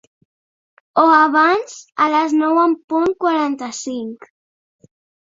O abans, a les nou punt quaranta-cinc.